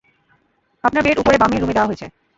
আপনার বেড উপরে বামের রুমে দেওয়া হয়েছে।